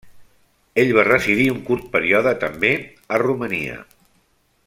Ell va residir un curt període, també, a Romania.